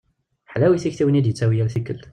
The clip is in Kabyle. Ḥlawit tiktiwin i d-yettawi yal tikkelt.